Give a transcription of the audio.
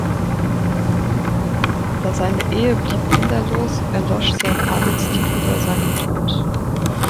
Da seine Ehe blieb kinderlos, erlosch sein Adelstitel bei seinem Tod.